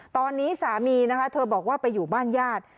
ตอนนี้สามีนะคะเธอบอกว่าไปอยู่บ้านญาติ